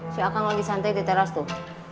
si akal lagi santai di teras tuh